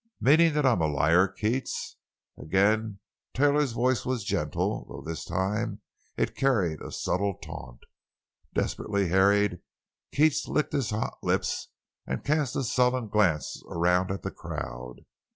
"Meaning that I'm a liar, Keats?" Again Taylor's voice was gentle, though this time it carried a subtle taunt. Desperately harried, Keats licked his hot lips and cast a sullen glance around at the crowd.